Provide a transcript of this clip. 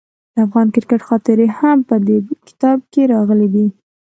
د افغان کرکټ خاطرې هم په دې کتاب کې راغلي دي.